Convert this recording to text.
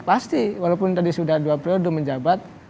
pasti walaupun tadi sudah dua periode menjabat